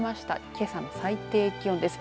けさの最低気温です。